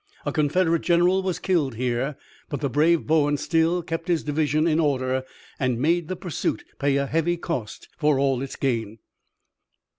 A Confederate general was killed here, but the brave Bowen still kept his division in order, and made the pursuit pay a heavy cost for all its gain.